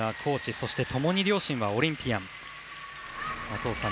そして共に両親はオリンピアン。